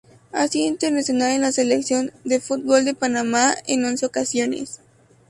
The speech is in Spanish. Ha sido internacional con la Selección de fútbol de Panamá en once ocasiones.